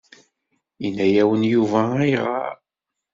Yenna-yawen Yuba ayɣer?